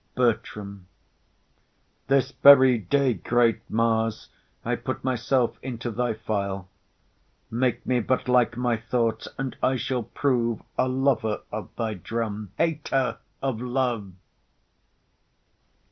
BERTRAM. This very day, Great Mars, I put myself into thy file; Make me but like my thoughts, and I shall prove A lover of thy drum, hater of love.